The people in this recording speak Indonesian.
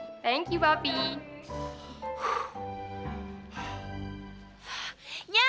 ya aku berangkat sekolah dulu ya